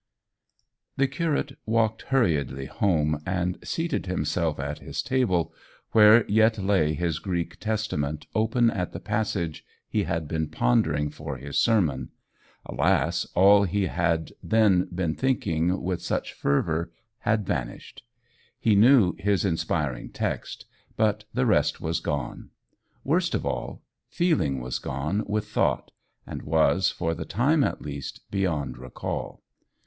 The curate walked hurriedly home, and seated himself at his table, where yet lay his Greek Testament open at the passage he had been pondering for his sermon. Alas! all he had then been thinking with such fervour had vanished. He knew his inspiring text, but the rest was gone. Worst of all, feeling was gone with thought, and was, for the time at least, beyond recall.